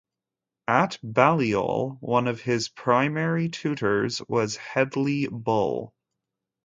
At Balliol, one of his primary tutors was Hedley Bull.